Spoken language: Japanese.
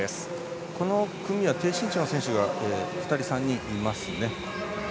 この組は低身長の選手が２人か３人いますね。